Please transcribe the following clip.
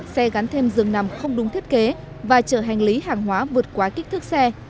xe gắn thêm dường nằm không đúng thiết kế và chở hành lý hàng hóa vượt quá kích thước xe